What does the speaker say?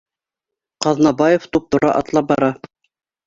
Ҡаҙнабаев туп-тура атлап бара